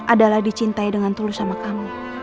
adalah dicintai dengan tulus sama kamu